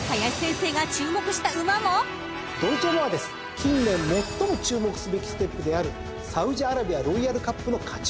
近年最も注目すべきステップであるサウジアラビアロイヤルカップの勝ち馬です。